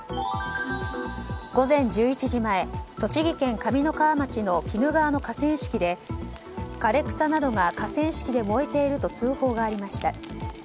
午前１１時前栃木県上三川町の鬼怒川の河川敷で、枯れ草などが河川敷で燃えていると通報がありました。